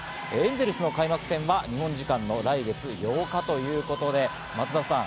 エンゼルスの開幕戦は日本時間の来月８日ということです。